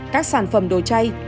các sản phẩm đồ chay